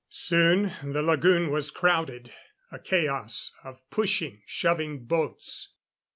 Soon the lagoon was crowded a chaos of pushing, shoving boats.